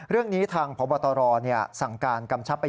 เรื่องนี้ทางพบตรสั่งการกำชับไป